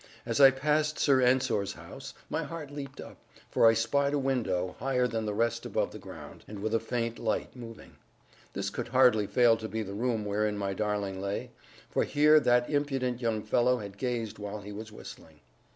As I passed Sir Ensor's house, my heart leaped up, for I spied a window, higher than the rest above the ground, and with a faint light moving. This could hardly fail to be the room wherein my darling lay; for here that impudent young fellow had gazed while he was whistling.